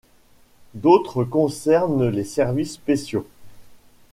D'autres concernent les services spéciaux.